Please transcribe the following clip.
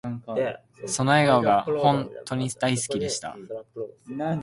その笑顔が本とに大好きでした